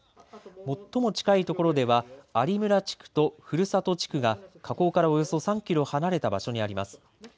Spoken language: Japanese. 最も近いところでは有村地区と古里地区が火口からおよそ３キロ離れた場所にあります。